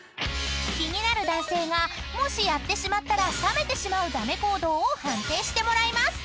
［気になる男性がもしやってしまったら冷めてしまうダメ行動を判定してもらいます］